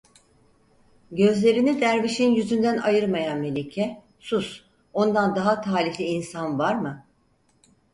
Gözlerini dervişin yüzünden ayırmayan melike: "Sus! Ondan daha talihli insan var mı?"